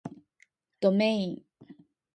どめいん